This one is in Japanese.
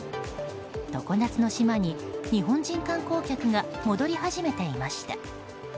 常夏の島に日本人観光客が戻り始めていました。